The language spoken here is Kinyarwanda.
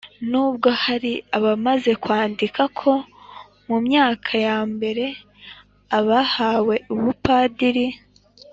n'ubwo hari abakunze kwandika ko mu myaka ya mbere abahawe ubupadiri